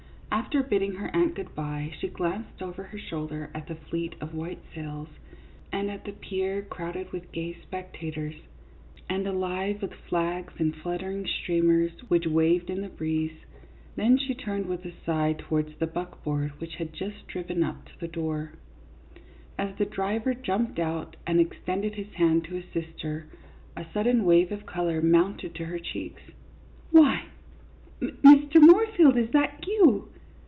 After bidding her aunt good by, she glanced over her shoulder at the fleet of white sails, and at the pier crowded with gay spectators, and alive with flags and fluttering streamers which waved in the breeze; then she turned with a sigh towards the buckboard which had just driven up to the door. CLYDE MOORFIELD, YACHTSMAN. 5/ As the driver jumped out and extended his hand to assist her, a sudden wave of color mounted to her cheeks. "Why, Mr. Moorfield, is that you?